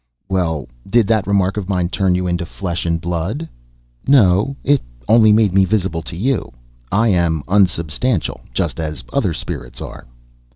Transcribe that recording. "Well, did that remark of mine turn you into flesh and blood?" "No. It only made me visible to you. I am unsubstantial, just as other spirits are."